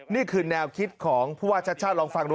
นี่คือแนวคิดของผู้ว่าชาติชาติลองฟังดู